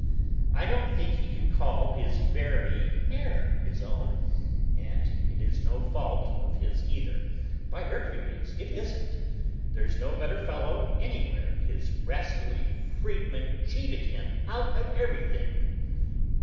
I don't think he can call his very hair his own, and it is no fault of his either, by Hercules, it isn't. There's no better fellow anywhere; his rascally freedmen cheated him out of everything.